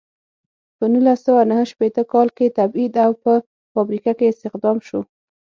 په نولس سوه نهه شپیته کال کې تبعید او په فابریکه کې استخدام شو.